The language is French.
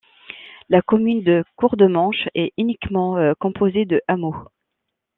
La commune de Courdemanche est uniquement composée de hameaux.